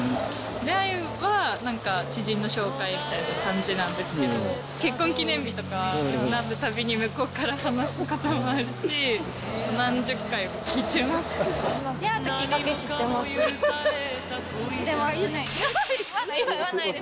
出会いは知人の紹介みたいな感じなんですけど、結婚記念日とか、向こうから話してくることもあるし、何十回も聞いてます。